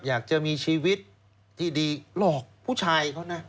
อยากจะมีชีวิตที่ดีหลอกผู้ชายเขานะ